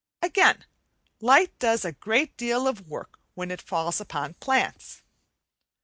Again, light does a great deal of work when it falls upon plants.